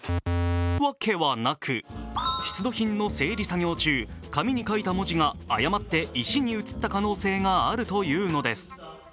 わけはなく、出土品の整理作業中、紙に書いた文字が誤って石にうつった可能性があるというのです。